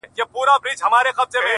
هغه خو زما کره په شپه راغلې نه ده.